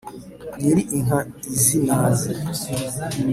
nyiri inka izi naze